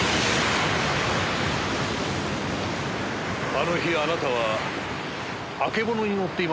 あの日あなたはあけぼのに乗っていましたね。